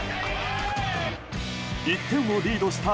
１点をリードした